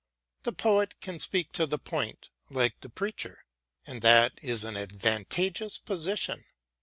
The poet can speak to the point like the preacher, and that is an advantageous position.